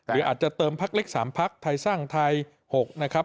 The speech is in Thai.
หรืออาจจะเติมพักเล็ก๓พักไทยสร้างไทย๖นะครับ